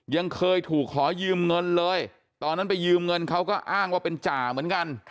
ยังเคยถูกขอยืมเงินเลยตอนนั้นไปยืมเงินเขาก็อ้างว่าเป็นจ่าเหมือนกัน